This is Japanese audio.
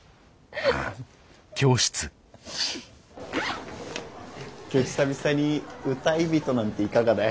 今日久々に歌い人なんていかがだよ。